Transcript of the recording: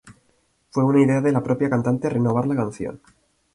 Fue una idea de la propia cantante "renovar" la canción.